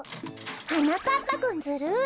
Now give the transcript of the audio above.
はなかっぱくんずるい！